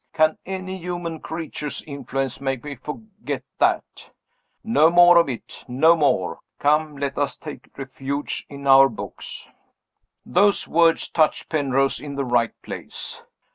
Can any human creature's influence make me forget that? No more of it no more. Come! Let us take refuge in our books." Those words touched Penrose in the right place.